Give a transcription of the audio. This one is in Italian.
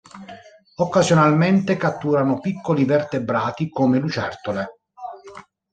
Occasionalmente catturano piccoli vertebrati come lucertole.